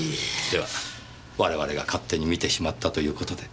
では我々が勝手に見てしまったという事で。